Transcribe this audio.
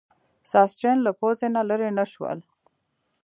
ساسچن له پوزې نه لرې نه شول.